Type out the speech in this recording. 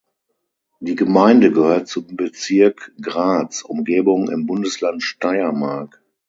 Die Gemeinde gehört zum Bezirk Graz-Umgebung im Bundesland Steiermark.